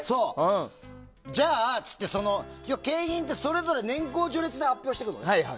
じゃあって言って景品ってそれぞれ年功序列で発表していくのね。